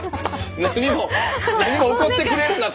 何も起こってくれるなと。